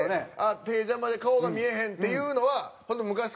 「手邪魔で顔が見えへん」っていうのは。